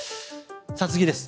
さあ、次です。